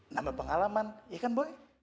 nambah pengalaman ya kan boleh